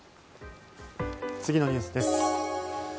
次のニュースです。